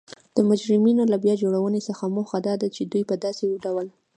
د مجرمینو له بیا جوړونې څخه موخه دا ده چی دوی په داسې ډول